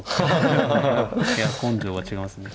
いや根性が違いますね。